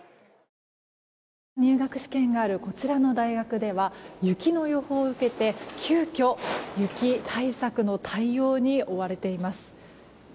入学試験があるこちらの大学では雪の予報を受けて、急きょ雪対策の対応に追われています。